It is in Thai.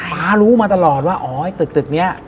ป๊ารู้มาตลอดว่าอ๋อไอ้ตึกนี้